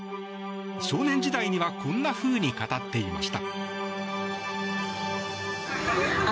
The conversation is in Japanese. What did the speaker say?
少年時代にはこんなふうに語っていました。